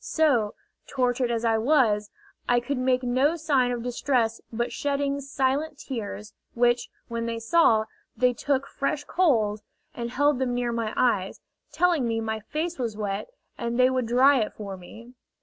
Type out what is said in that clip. So, tortured as I was, I could make no sign of distress but shedding silent tears, which, when they saw, they took fresh coals, and held them near my eyes, telling me my face was wet, and they would dry it for me.